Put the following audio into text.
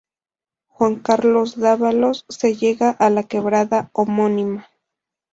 Juan Carlos Dávalos, se llega a la quebrada homónima.